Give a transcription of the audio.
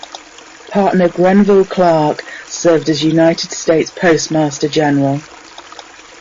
Partner Grenville Clark served as United States Postmaster General.